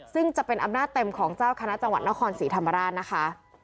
ซึ่งจะเป็นอำนาจเต็มของเจ้าคณะจังหวัดนครศรีธรรมราชนะคะ